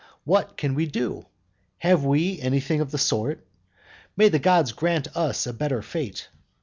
What can we do? Have we anything of the sort? May the gods grant us a better fate!